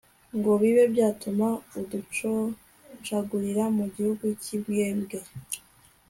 ngo bibe byatuma uducocagurira mu gihugu cy'imbwebwe